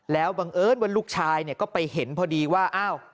แล้วบังเอิญวันลูกชายก็ไปเห็นพอดีว่า